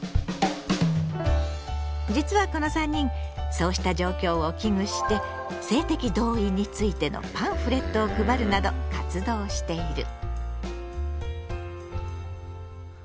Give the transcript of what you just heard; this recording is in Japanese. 実はこの３人そうした状況を危惧して性的同意についてのパンフレットを配るなど活動している。